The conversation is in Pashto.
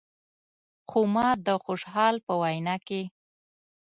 خو ما د خوشحال په وینا کې.